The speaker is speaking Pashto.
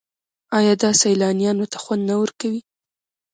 آیا دا سیلانیانو ته خوند نه ورکوي؟